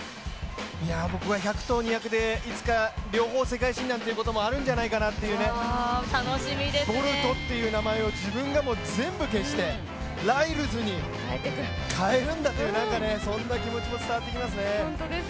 僕は１００と２００でいつか両方世界新なってこともあるんじゃないかなっていうね、ボルトという名前を自分が全部消して、ライルズに変えるんだという、そんな気持ちも伝わってきますね。